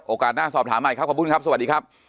หน้าสอบถามใหม่ครับขอบคุณครับสวัสดีครับ